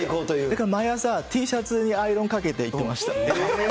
だから毎朝、Ｔシャツにアイロンかけて行ってました。